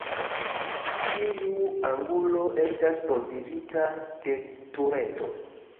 Ĉiu angulo estas provizita de tureto.